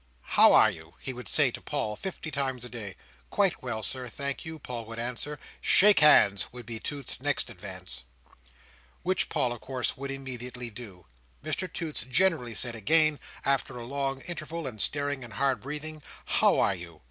"How are you?" he would say to Paul, fifty times a day. "Quite well, Sir, thank you," Paul would answer. "Shake hands," would be Toots's next advance. Which Paul, of course, would immediately do. Mr Toots generally said again, after a long interval of staring and hard breathing, "How are you?"